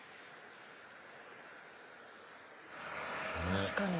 確かに。